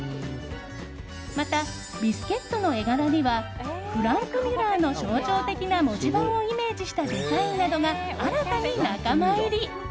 また、ビスケットの絵柄にはフランクミュラーの象徴的な文字盤をイメージしたデザインなどが新たに仲間入り。